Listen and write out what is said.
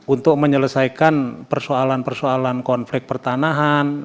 untuk menyelesaikan persoalan persoalan konflik pertanahan